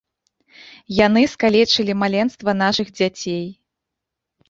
Яны скалечылі маленства нашых дзяцей.